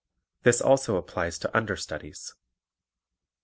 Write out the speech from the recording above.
(This also applies to understudies.)